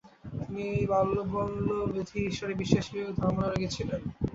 তিনি বাল্যাবধি ঈশ্বরে বিশ্বাসী ও ধর্মানুরাগী ছিলেন।